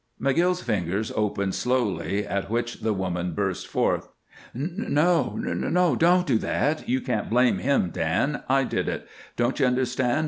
McGill's fingers opened slowly, at which the woman burst forth: "No, no! Don't do that. You can't blame him, Dan. I did it. Don't you understand?